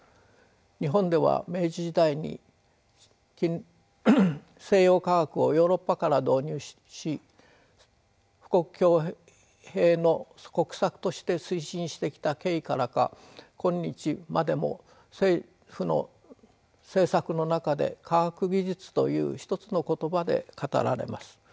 日本では明治時代に西洋科学をヨーロッパから導入し富国強兵の国策として推進してきた経緯からか今日までも政府の政策の中で「科学技術」という一つの言葉で語られます。